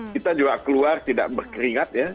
kita juga keluar tidak berkeringat ya